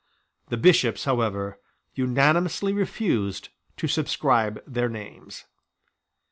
The Bishops however unanimously refused to subscribe their names.